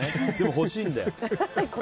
欲しいんだよ。